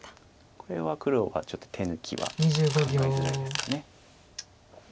これは黒がちょっと手抜きは考えづらいですかね。